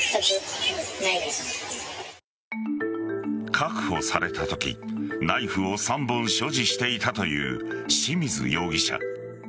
確保されたときナイフを３本所持していたという清水容疑者。